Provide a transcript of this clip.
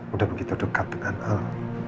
udah begitu dekat dengan alam